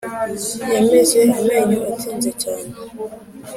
Yameze amenyo atinze cyane